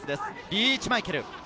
リーチ・マイケル。